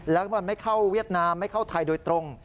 แล้วมันไม่เข้าเวียดนามไม่เข้าไทยโดยตรง